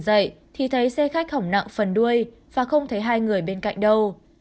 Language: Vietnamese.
khi anh tỉnh dậy thì thấy xe khách hỏng nặng phần đuôi và không thấy hai người bên cạnh đâu